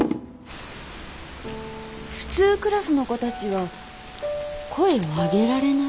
普通クラスの子たちは声をあげられない？